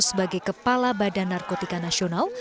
sebagai kepala badan narkotika nasional